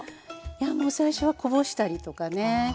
いやもう最初はこぼしたりとかね。